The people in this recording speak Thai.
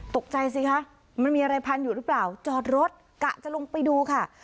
ตกใจสิคะมันมีอะไรพันอยู่หรือเปล่าจอดรถกะจะลงไปดูค่ะ